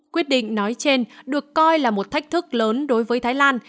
quyết định nói trên được coi là một thách thức lớn đối với thái lan